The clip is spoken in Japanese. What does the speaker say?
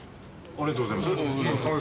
ありがとうございます。